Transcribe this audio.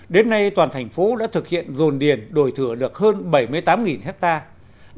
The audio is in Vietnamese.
đến nay toàn thành phố đã thực hiện dồn điền đổi thửa được hơn bảy mươi tám hectare